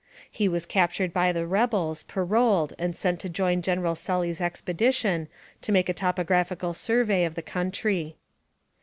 He was captured by the rebels, paroled, and sent to join General Sully 's expedition, to make a topographical survey of the country.